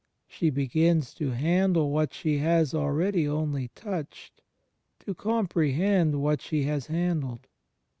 She begins to handle what she has already only touched; to comprehend what she has handled.